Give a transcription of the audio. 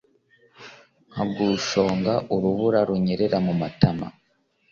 nka gushonga urubura runyerera mumatama,